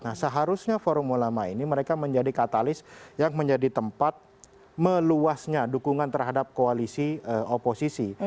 nah seharusnya forum ulama ini mereka menjadi katalis yang menjadi tempat meluasnya dukungan terhadap koalisi oposisi